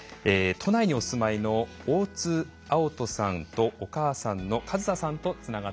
都内にお住まいの大津碧人さんとお母さんの和沙さんとつながっています。